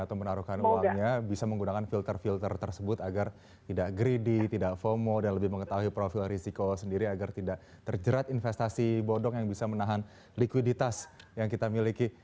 atau menaruhkan uangnya bisa menggunakan filter filter tersebut agar tidak greedy tidak fomo dan lebih mengetahui profil risiko sendiri agar tidak terjerat investasi bodong yang bisa menahan likuiditas yang kita miliki